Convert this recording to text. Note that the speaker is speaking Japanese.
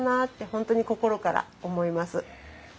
本当に心から思います。